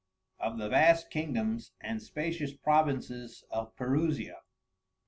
_Of the vast Kingdoms and Spatious Provinces of _PERUSIA.